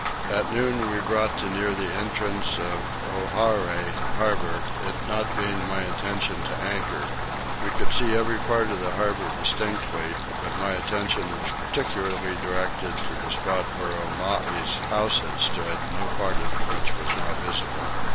At noon we brought to near the entrance of Owharre harbour, it not being my intention to anchor. We could see every part of the harbour distinctly, but my attention was particularly directed to the spot where Omai's house had stood, no part of which was now visible.